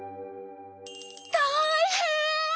たいへん！